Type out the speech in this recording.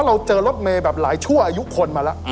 อืม